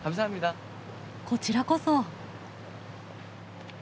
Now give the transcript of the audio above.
こちらこそ。